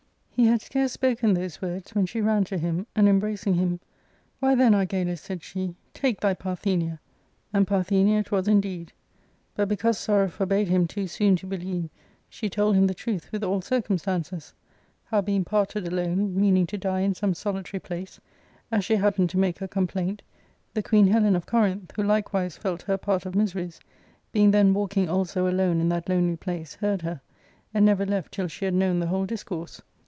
He had scarce spoken those words when she ran to him, and embracing him, " Why, then, Argalus," said she, " take thy Par thenia ;" and Partheiiia.it was indeed. But because sorrow forbade him too soon to believe, she told him the truth, with all circumstances ; how being parted alone, meaning to die in some solitary place, as she happened to make her com plaint, the Queen Helen of Corinth, who likewise felt her, part of miseries, being then walking also alone in that lonely place, heard her, and never left till she had known the whole discourse.